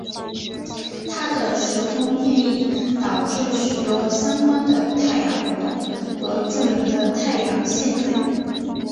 他的时空变异导致许多相关的太阳活动和著名的太阳现象。